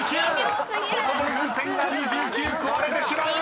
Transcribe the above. ここで風船が２９個割れてしまう！］